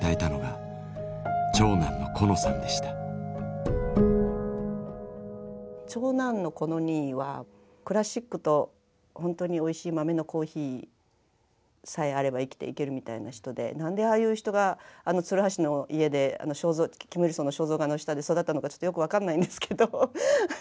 長男のコノ兄はクラシックと本当においしい豆のコーヒーさえあれば生きていけるみたいな人でなんでああいう人があの鶴橋の家でキムイルソンの肖像画の下で育ったのかちょっとよく分かんないんですけど。